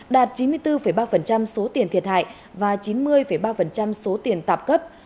đạt chín mươi bốn ba số tiền thiệt hại và chín mươi ba số tiền tạp cấp